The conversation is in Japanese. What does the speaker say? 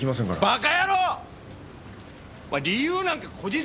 バカ野郎！お前理由なんかこじつけるんだよ！